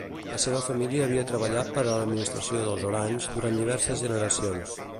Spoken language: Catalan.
La seva família havia treballat per a l'administració dels Orange durant diverses generacions.